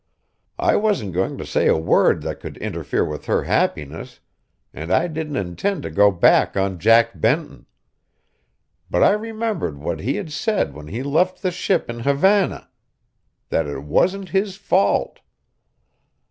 I wasn't going to say a word that could interfere with her happiness, and I didn't intend to go back on Jack Benton; but I remembered what he had said when he left the ship in Havana: that it wasn't his fault.